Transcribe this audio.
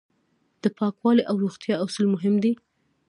د پاکوالي او روغتیا اصول مهم دي.